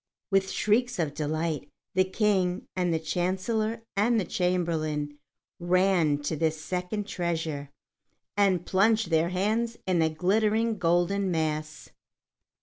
With shrieks of delight, the King and the Chancellor and the Chamberlain ran to this second treasure, and plunged their hands in the glittering golden mass.